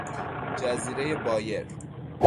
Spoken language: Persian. جزیرهی بایر